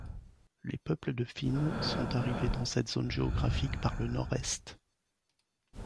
Les peuples de Pfyn sont arrivés dans cette zone géographique par le nord-est.